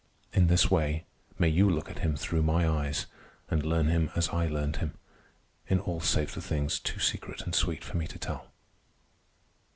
In this way may you look at him through my eyes and learn him as I learned him—in all save the things too secret and sweet for me to tell.